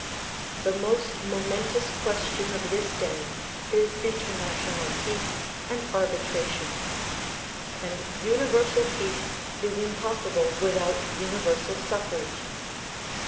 The most momentous question of this day is international peace and arbitration ; and Universal Peace is impossible without universal suffrage.